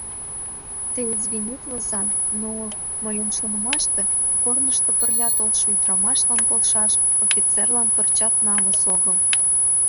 — Те извинитлыза, но... мыйын шонымаште, корнышто пырля толшо ӱдрамашлан полшаш офицерлан пырчат намыс огыл.